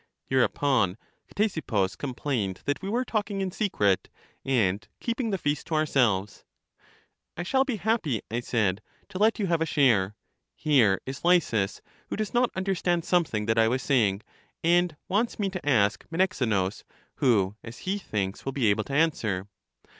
Hereupon Ctesippus complained that we were talk ing in secret, and keeping the feast to ourselves. I shall be happy, I said, to let you have a share. Here is Lysis, who does not understand something that I was saying, and wants me to ask Menexenus, who, as he thinks, will be able to answer.